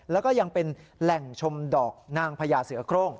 แล้วก็ยังเป็นแหล่งชมดอกนางพญาเสือโครง